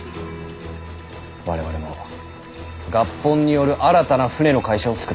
我々も合本による新たな船の会社を作ろう。